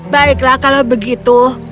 baiklah kalau begitu